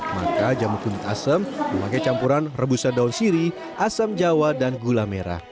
maka jamu kunyit asam memakai campuran rebusan daun sirih asam jawa dan gula merah